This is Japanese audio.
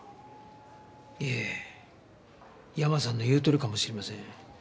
いえ山さんの言うとおりかもしれません。